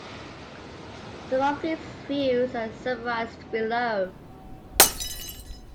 Some of these views are summarized below.